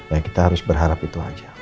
nah kita harus berharap itu aja